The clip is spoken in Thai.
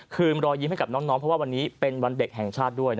รอยยิ้มให้กับน้องเพราะว่าวันนี้เป็นวันเด็กแห่งชาติด้วย